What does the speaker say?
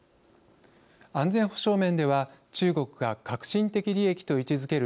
安全保障面では中国が核心的利益と位置づける